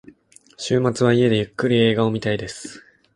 週末は家でゆっくり映画を見たいです。